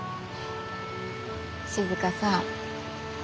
静さん